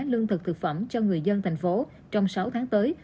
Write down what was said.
lương thực thực phẩm cho người dân thành phố trong sáu tháng tới